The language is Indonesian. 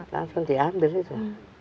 langsung diambil itu